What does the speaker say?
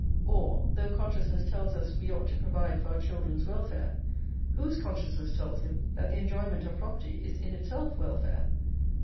or, though consciousness tells us we ought to provide for our children's welfare, whose consciousness tells him that the enjoyment of property is in itself welfare?